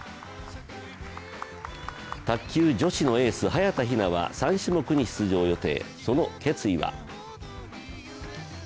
卓球・女子のエース、早田ひなは３種目に出場予定。